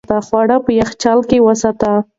خواړه په یخچال کې وساتئ.